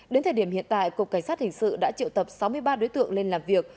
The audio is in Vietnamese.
đến thời điểm hiện tại cục cảnh sát hình sự đã triệu tập sáu mươi ba đối tượng lên làm việc